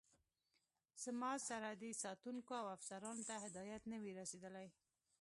زما سرحدي ساتونکو او افسرانو ته هدایت نه وي رسېدلی.